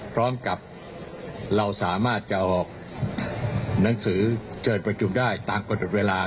พร้อมกับเราสามารถจะออกหนังสือเชิญประชุมได้ตามกฎเวลา